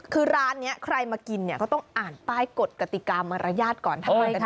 คือร้านนี้ใครมากินเนี่ยก็ต้องอ่านป้ายกฎกติกามารยาทก่อน